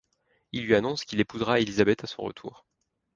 Il lui annonce qu'il épousera Elisabeth à son retour.